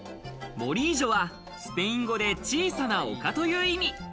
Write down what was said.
モリージョはスペイン語で小さな丘という意味。